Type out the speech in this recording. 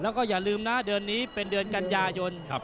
แล้วก็อย่าลืมนะเดือนนี้เป็นเดือนกันยายน